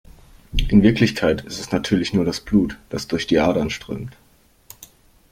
In Wirklichkeit ist es natürlich nur das Blut, das durch die Adern strömt.